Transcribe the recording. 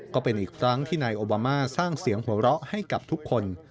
ก็เป็นอีกครั้งที่นายโอบามาสร้างเสียงหัวเราะให้กับทุกคน